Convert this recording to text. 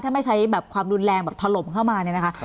ถ้าไม่ใช้แบบความรุนแรงแบบถล่มเข้ามาเนี่ยนะคะ